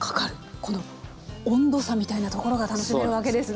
この温度差みたいなところが楽しめるわけですね。